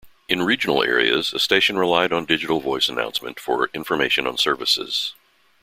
In regional areas, a station relied on digital voice announcement for information on services.